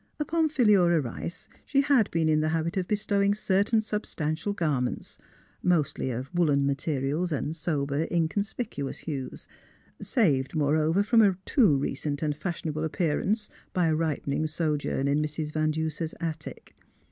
Upon Phi lura Rice she had been in the habit of bestowing certain substantial garments, mostly of woollen materials and sober, inconspicuous hues; saved, THE CLOSED DOOR 55 moreover, from a too recent and fashionable ap pearance by a ripening sojourn in Mrs. Van Duser's attic.